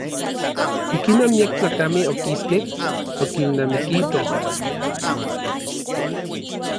Ikinon miak tlakamej okiskej okinamikitoj.